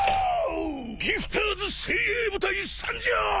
ギフターズ精鋭部隊参上！